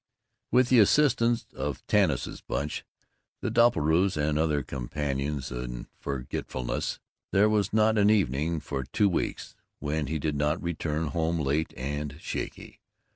With the assistance of Tanis's Bunch, the Doppelbraus, and other companions in forgetfulness, there was not an evening for two weeks when he did not return home late and shaky.